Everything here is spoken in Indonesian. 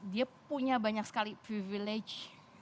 dia punya banyak sekali privilege